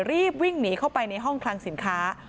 รีบวิ่งหนีเข้าไปในห้องคลังสินค้า